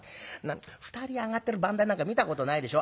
２人上がってる番台なんか見たことないでしょ。